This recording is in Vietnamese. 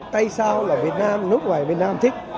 tại sao là việt nam nước ngoài việt nam thích